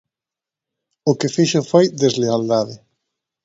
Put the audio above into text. O que fixo foi deslealdade.